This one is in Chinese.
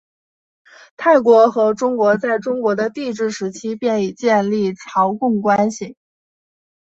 泰国和中国在中国的帝制时期便已经建立朝贡关系。